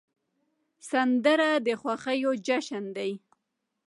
سندره د خوښیو جشن دی